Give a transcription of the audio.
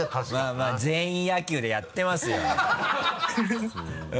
まぁ全員野球でやってますよ。